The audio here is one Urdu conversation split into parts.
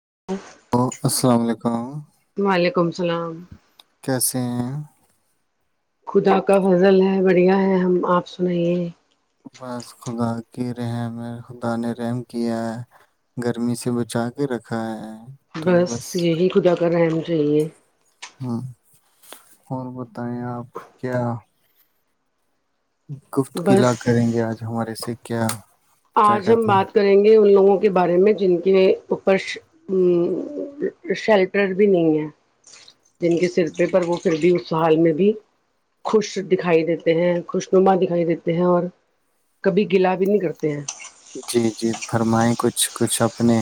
[unintelligible] سلام کیسے خدا کا فضل ہے بڑھیا ہے ہم آپ سنائیے بس خدا کی رحم ہے خدا نے رحم کیا ہے گرمی سے بچا کے رکھا ہے بس یہی خدا کرحم چاہیے ہ اور بتائیں آپ کیا گفت قلع بس کریں گے آج ہمارے سے کیا کیا آج ہم کہتے بات ہیں کریں گے ان لوگوں کے بارے میں جن کے اوپر شیلٹر بھی نہیں ہے جن کے سر پہ پر وہ پھر بھی اس حال میں بھی خوش دکھائی دیتے ہیں خوشنما دکھائی دیتے ہیں اور کبھی گلا بھی نہیں کرتے ج جی جی فرمائیں کچھ کچھ اپنے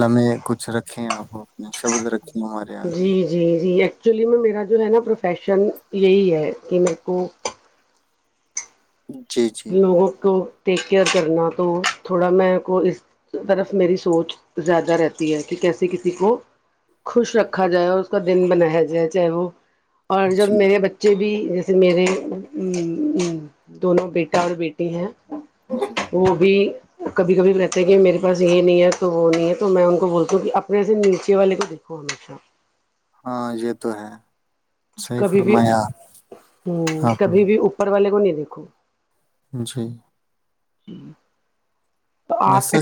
لمے کچھ رکھیں آپ اپنے شبد رکھ جی جی جی ایک ایکچولی میں میرا جو ہے نا پروفیشن یہی ہے کہ میرے کو جی جی لوگوں کو ٹیک کیئر کرنا تو تھوڑا م کو اس طرف میری سوچ زیادہ رہتی ہے کہ کیسے کسی کو خوش رکھا جائے اور اس کا دن بنایا جائے چاہے وہ اور جب جی میرے بچے بھی جیسے میرے دونوں بیٹے اور بیٹی ہیں جی وہ بھی کبھی کبھی رہتے ہیں کہ میرے پاس یہ نہیں ہے تو وہ نہیں ہے تو میں ان کو بولتا ہوں کہ اپنے سے نیچے والے کو دیکھو ہمیشہ ہاں یہ تو ہے صحیح کبھی بھی فرمایا ہ آپ کبھی نے بھی اوپر والے کو نہیں دیکھو جی ہوں ایسا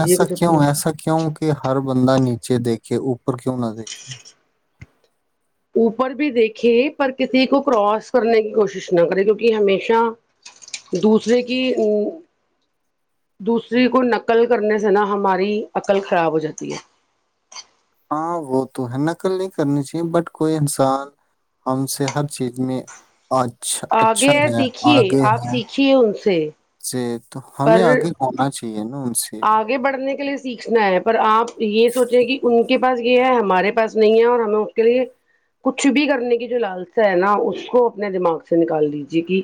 ایسا کیوں اپنا ایسا کیوں کہ ہر بندہ نی بچے دیکھے اوپر کیوں نہ دیکھے اوپر بھی دیکھے پر کسی کو کراس کرنے کی کوشش نہ کرے کیونکہ ہمیشہ دوسرے کی دوسری کو نقل کرنے سے نہا ہماری عقل خراب ہو جاتی ہے ہاں وہ تو ہے نقل نہیں کرنی چاہیے بٹ کوئی انسان ہم سے ہر چیز میں اچھا اچھا آگے ہے سیکھیے آگے ہے آپ ہم سیکھیے ان سے سے [inaudible] تو ہمیں آگے آنا چاہیے نا ان سے بھی آگے بڑھنے کے لیے سیکھنا ہے پر آپ یہ سوچیں کہ ان کے پاس یہ ہے ہمارے پاس نہیں ہے اور ہمیں اس کے لیے کچھ بھی کرنے کی جو لالسا ہے نا اس کو اپنے دماغ سے نکال دیجیے کہ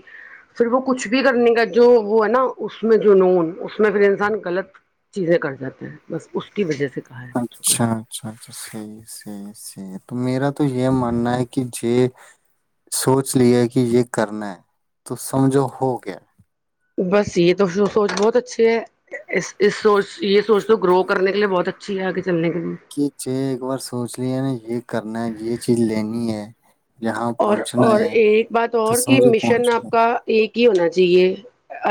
پھر وہ کچھ بھی کرنے کا جو وہ ہے نا اس میں جو نون اس میں پھر انسان غلط چیزیں کر جاتے ہیں بس اس کی وجہ سے کہا ہے بچوں اچھا اچھا اچھا صحیح صحیح صحیح تو میرا تو یہ ماننا ہے کہ یہ سوچ لیا کہ یہ کرنا ہے تو سمجھو ہو گیا بس یہ تو سوچ بہت اچھی ہے اس اس سوچ یہ سوچ تو گرو کرنے کے لیے بہت اچھی ہے آگے چلنے کے لیے کہ چ ایک بار سوچ لیا نا یہ کرنا ہے یہ چیز لینی ہے یہاں اور پہنچنا اور ہے ایک بات تو اور کہ سمجھو مشن پہنچ آپ گئے کا ایک ہونا چاہیے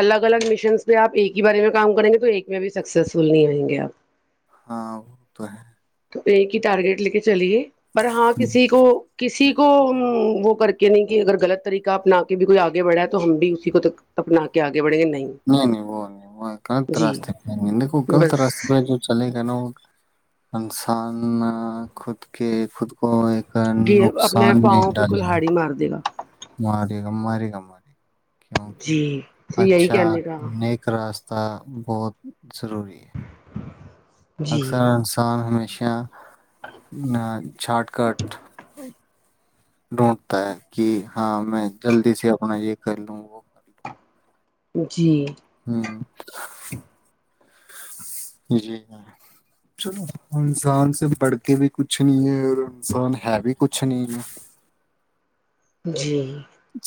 الگ الگ مشنس پہ آپ ایک ہی بارے میں کام کریں گے تو ایک میں بھی سکسیسفل نہیں ہوئیں گے آپ ہاں وہ تو ہے تو ایک ہی ٹارگیٹ لے کے چلیے پر ہاں کسی کو کسی کو وہ کر کے نہیں کہ اگر غط طریقہ اپنا کے بھی کوئی آگے بڑھا تو ہم بھی اسی کو اپنا کے آگے بڑھیں گے نہیں نہیں وہ نہیں وہ غلط جی راستے نہیں دیکھو غلط بس راستے پ جو چلے گ ا نو انسان خود کے خود کو ایک یہ نقصان اپنے نہیں پاؤں پہ ڈالے گا کلہاڑی مار دے گا ماری گم ماری گم ماری کیوںک جی یہی اچھا کہنے کا نیک راست ہوتا بہت ضروری ہے جی اکثر انسان ہمیں شارٹ کٹ ڈھونڈتا ہے کہ ہاں میں جلدی سے اپنا یہ کر لوں وہ کر لوں جی ہ جی چلو انسان سے بڑھ کے بھی کچھ نہیں ہے اور انسان ہے بھی کچھ نہیں ہے [inaudible] جی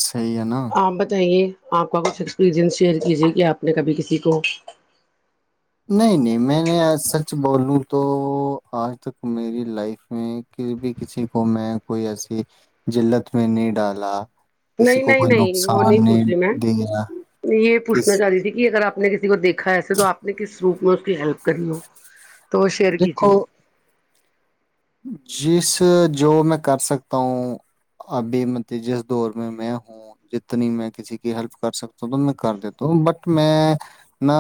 صحی ہے نا آپ بتائیے آپ کا کچھ ایکسپیرئنس شیئر کیجیے کہ آپ نے کبھی کسی کو نہیں نہیں میں نے سچ بولوں تو آج تک میری لائف میں کسی بھی کسی کو میں کوئی ایسی جلت میں نہیں ڈالا کسی نہیں کو نہیں کوئی نہیں وہ نقصان نہیں پوچھ رہی میں دیا یہ پوچھنا کس چاہ رہی تھی کہ اگر آپ نے کسی کو دیکھا ہے ایسے تو آپ نے کس روپ موکل کریوں تو شیئر کیجیے دیکھو جس جو میں کر سکتا ہوں ابھی مب جس دور میں میں ہوں جتنی میں کسی کی ہیلپ کر سکتا ہوں تو میں کر دیتا ہوں بٹ میں نہ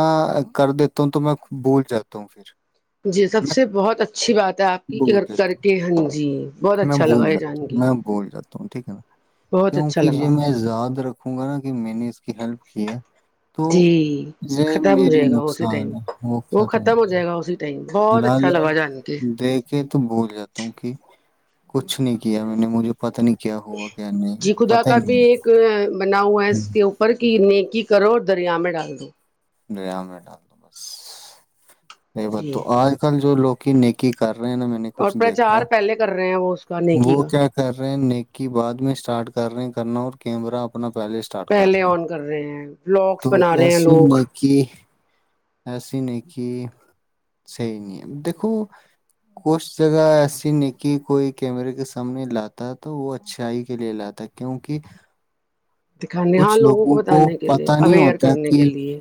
کر دیتا ہوں تو میں بھول جاتا ہوں پھر جی سب میں سے بہت اچھی بات ہے آپ کی کہ گھر بھول ا سر جاتا کے ہ جی بہت میں اچھا لگا بول یہ جات جان کے میں بول جاتا ہوں ٹھیک ہے نا بہت اچھا کیونکہ ج لگا میں یاد رکھوں گا نا کہ میں نے اس کی ہیلپ کیا جی ختم ہو جائے گا اسی ٹائم نقصان وہ ختم ہو جائے گا اسی ٹائم ل بہت ل اچھا لگا جان کے دیکھے تو بھول جاتا ہ کیونک کچھ نہیں کیا میں نے مجھے پتا نہیں کیا ہوا کیا نہیں جی خدا پتا ہی کا بھی نہیں ایک بنا ہوا ہے اس کے اوپر کی نیک کی کرو دریا میں ڈال دو دریا میں ڈال دو بس نہیں بات جی تو آج کل جو لو کہ نیکی کرار رہے ہیں نا میں نے اور کچھ دیکھا پرچار پہلے کر رہے ہیں وہ اس کا نیکی وہ کا کیا کر رہے ہیں نیکی بعد میں اسٹارٹ کر رہے ہیں تو کرنا اور کیمرہ اپنا پہلے اسٹارٹ کر پہلے ہیں آن کر رہے ہیں تو بلاگس بنا رہے ہیں ایسی لوگ نیکی ایسی نہیں کہ صحیح نہیں ہے دیکھو کھ جگہ ایسی نہیں کی کوئی کیمرے کے سامنے لاتا ہے تو وہ اچھائی کے لیے لاتا کیونکہ دکھانے ہاں کچھ لوگوں کو بتانے کے لیے پتا نہیں اویئر ہوتا کرنے کے کہ لیے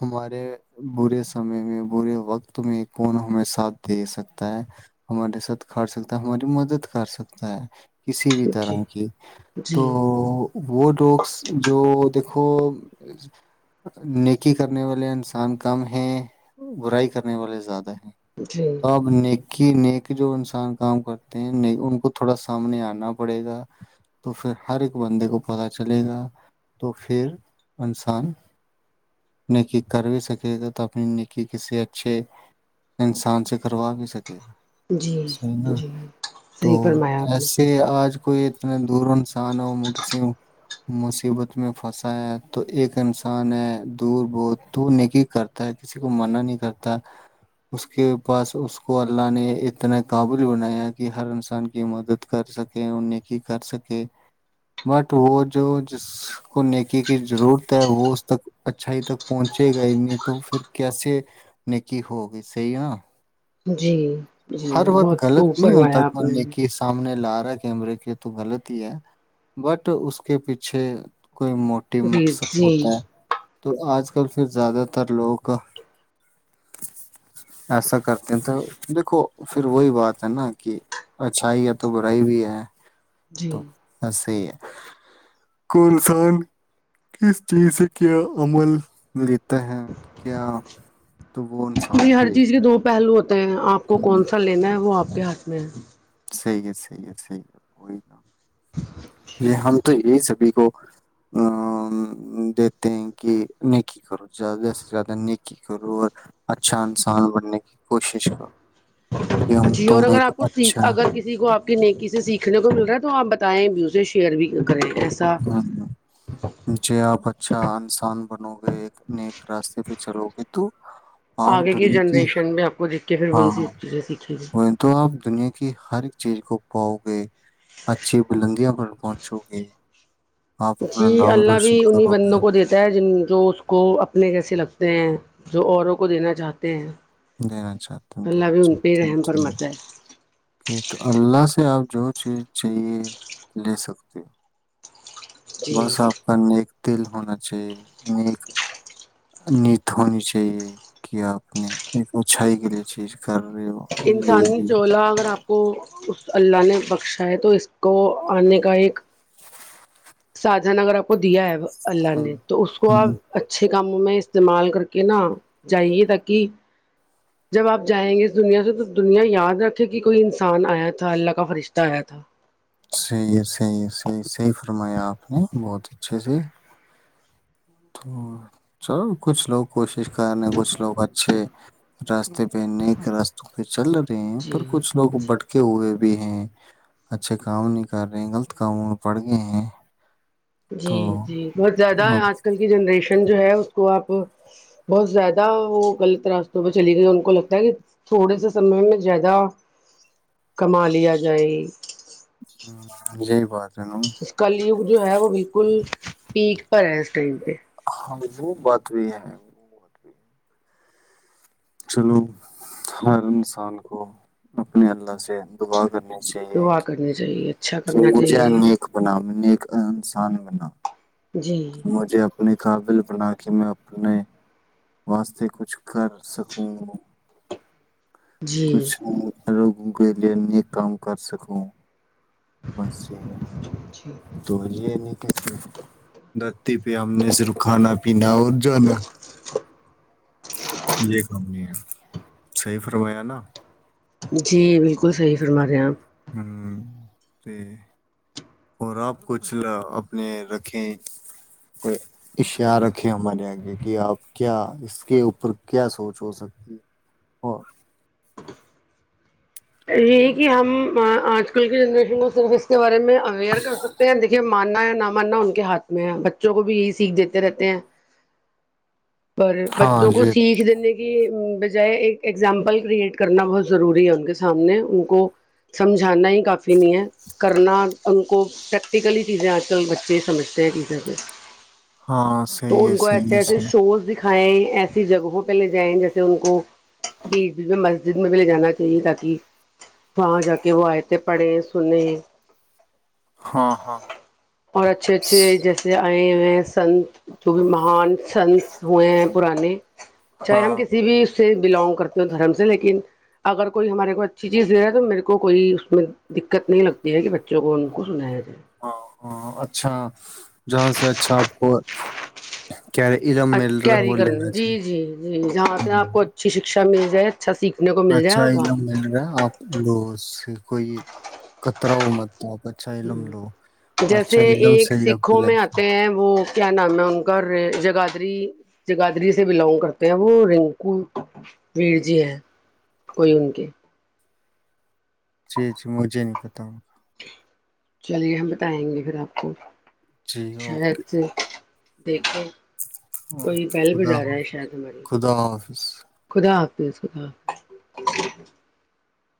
ہمارے برے سمے میں برے وقت میں کون ہمیں ساتھ دے سکتا ہے ہمارے سات کھڑ سکتا ہے ہماری مدد کر سکتا ہے کسی بھی جی طرح کی تو جی وہ ڈوگس جو دیک [unintelligible] نیکی کرنے والے انسان کم ہیں برائی کرنے والے زیادہ ہے جی تب نیکی نیک کہ جو انسان کام کرتے ہیں نہیں ان کو تھوڑا سامنے آنا پڑے گا تو پھر ہر ایک بندے کو پتا چلے گا تو پھر انسان نیکی کر بھی سکے گا تو اپنی نیکی کسی اچھے انسان سے کروا بھی سکے گا جی صحی نا جی تو صحیح فرمایا آپ نے ایسے آج کوئی اتنے دور انسانوں کسی مصیبت میں پھنسا ہے تو ایک انسان ہے دور بہت تو نیکی کرتا ہے کسی کو منع نہیں کرتا اس کے پاس اس کو اللہ نے اتنا کاابل بنایا کہ ہر انسان کی مدد کر سکے نیکی کر سکے بٹ وہ جو جس کو نیکی کی ضرورت ہے وہ اس تک اچھائی تک پہنچے گا تو پھر کیسے نکی ہوگی صحی نا جی جی ہر بہت وقت غلط خوب نہیں فرمایا ہوتا آپ کوئی نے نیکی سامنے لا کیمرے کے تو غلط ہی ہے بٹ اس کے پیچھے کوئی موٹی پلیز مقصد جی ہوتا ہے تو آج کل پھر زیادہ تر لوگ ایسا کرتے ہیں تھے دیکھو پھر وہی بات ہے نا کہ اچھائی ہے تو برائی بھی ہے جی تو ایسے ہی ہے کو انسان کس چیز سے کیا امول ملت [inaudible] جی ہر چیز کے دو پہلو ہوتے آپ کو ہم۔ کون سا لینا ہے وہ آپ کے ہاتھ میں ہے صحیح ہے صحیح ہے صحیح ہے وہی تو ہے یہ ہم تو یہی سبھی کو دیتے ہیں کہ نیکی کرو زیادہ سے زیادہ نیکی کرو اور اچھا انسان بننے کی کوشش کرو کہ ہم جی اور تم اگر ایک آپ کو سیکھ اچھا اگر کسی کو آپ کی نیکی سے سیکھنے کو مل رہا ہے تو آپ بتائیں بھی اسے شیئر بھی کریں ایسا [inaudible] اچھا انسان بنو گے نیک راستے پہ چلو گے تو آپ اگے کی دنیا جنریشن میں اپ کو دیکھ کے پھر وہی سی ہاں وہ گی تو آپ دنیا کی ہر ایک چیز کو پاؤ گے اچھی بلندیا پر پہنچو گے آپ جی اپنا نام اللہ بھی روشن انہیں کرو بندنوں گے کو دیتا ہے جن جو اس کو اپنے کیسے لگتا جو اوروں کو دینا چاہتے ہیں [unintelligible] اللہ بھی ان پہ رحم فرماتا ہے تو اللہ سے آپ جو چیز چاہیے لے سکتے ہو جی بس آپ کا تل ہونا چاہیے نیک نت ہونی چاہیے کہ آپ نے ایک اچھائی کے لیے چیز کر رہے ہو لے انسانی رہی چولہ اگر آپ کو اس اللہ نے بخشاائے تو اس کو آنے کا ایک ساجہان اگر آپ کو دیا ہے اللہ ہو نے تو اس کو آپ ہوں اچھے کام میں استعمال کر کے نا جائیے تاکہ جب آپ جائیں گے اس دنیا سے تو دنیا یاد رکھے کہ کوئی انسان آیا تھا اللہ کا فرشتہ آیا تھا صحیح ہے صحیح ہے صحیح صحیح فرمایا آپ نے بہت اچھے سے تو چلو کچھ لو کوشش کرنے کچھ لوگ اچھے راستے پہ نیک راستوں پہ چل رہا ہیں پر جی کچھ لوگ جی بٹکے ہوئے بھی ہیں اچھے کام نہیں کر رہے ہیں غلط کامون پڑ گئے ہیں جی تو جی بہت زیادہ اب آج کل جنریشن جو ہے اس کو آپ بہت زیادہ وہ غلط راستوں پہ چلی گئی ان کو لگتا ہے کہ تھوڑے سے سمے میں زیادہ کما لیا جائے جی بات ہے نا کلیوگ جو ہے وہ بالکل پییک پرہے اس ٹائم پہ ہاں وہ بات بھی ہے چلو ہر انسان کو اپنے اللہ سے دعا کرنی چاہیے دعا کہ کرنی چاہیے اچھا کرنا مجھے چاہیے نیک بنا نیک انسان بنا جی مجھے اپنے قابل بنا کہ میں اپنے واسطے کچھ کر سکوں جی کچھ لوگوں کے لیے نیک کام کر سکوں بس یہ ہے جی تو یہ نہیں کہ دھرتی پہ ہم نے صرف کھانا پینا اور جانا یہ کام نہیں ہے صحیح فرمایا نہ جی بالکل صحیح فرما رہے ہیں آپ ہممم اور آپ کچھ اپنے رکھیں اشعار رکھیں ہمارے آگے کہ آپ کیا اس کے اوپر کیا سوچ ہو سکتی ہے اور یہی کہ ہم آج کل کی جنریشن کو صرف اس کے بارے میں اویئر کر سکتے ہیں دیکھیے ماننا ہے نہ ماننا ان کے ہاتھ میں ہے بچوں کو بھی یہی سیکھ دیتے رہتے ہیں اور ہاں بچوں کو یہ سیکھ دینے کی بجائے ایک ایگزامپل کریئٹ کرنا بہت ضروری ہے ان کے سامنے ان کو سمجھانا ہی کافی نہیں ہے کرنا ان کو پریکٹیکلی چیزیں آج کل بچے سمجھتے ہیں ٹیچر سے ہاں صحیح ہے صحیح ہے صحیح ہے دکھائے ایسی جگہوں پہ لے جائیں جیسے ان کو بیچ بی میں مسجد میں بھی لے جانا چاہیے تاکہ وہاں جا کے وہ آئتیں پڑھیں سنے ہاں ہاں اور اچھے اچھے س- جیسے ہیں سنت جو بھی مہان سنس ہوئے ہیں پرانے چاہے ہم ہاں کسی بھی سے بلونگ کرتی ہوں دھرم سے لیکن اگر کوئی ہمارے کو اچھی چیز دے رہا ہے تو میرے کو کوئی اس میں دقت نہیں لگتی ہے کہ بچوں کو ان کو سنا ہے ہاں ہاں اچھا جہاں سے اچھا اور کیری کرنی جی جی جی جہاں سے آپ ہوں کو اچھی شکشا تمیز ہے اچھا علم مل رہا آپ لو کوئی قتراؤ مت آپ اچھا ہ علم لو جیسے اچھا علم ایک سے ہی آپ کی سیکھوں میں لائف آتے ہیں وہ کیا نام ہے ان کا جگادری جگادری سے بلونگ کرتے ہیں وہ رنکو ویر جی ہیں کوئی ان کے جی جی مجھے نہیں پتا ہ چلیے ہم بتائیں گے پھر آپ کو جی اوکے شاید سے دیکھیں اوکے کوئی پہل خدا گزا رہا ہے شاید ہماری خدا حافظ خدا اسس